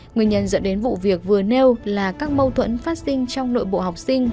nguyên nhân dẫn đến vụ việc vừa nêu là các mâu thuẫn phát sinh trong nội bộ học sinh